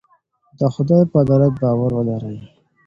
د خدای په عدالت باور ولرئ.